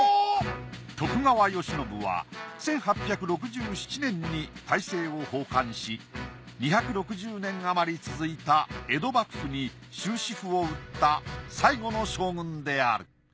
徳川慶喜は１８６７年に大政を奉還し２６０年あまり続いた江戸幕府に終止符を打った最後の将軍である。